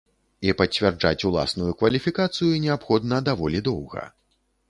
І пацвярджаць уласную кваліфікацыю неабходна даволі доўга.